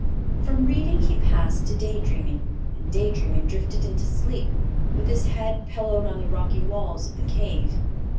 From reading he passed to day dreaming, and day dreaming drifted into sleep, with his head pillowed on the rocky walls of the cave.